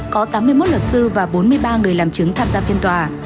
có tám mươi một luật sư và bốn mươi ba người làm chứng tham gia phiên tòa